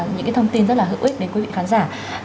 những thông tin rất là hữu ích đến quý vị khán giả